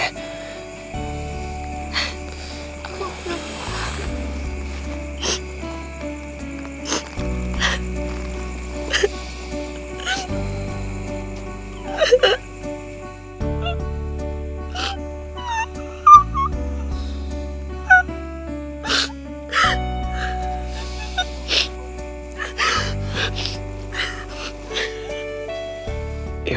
aku mau tidur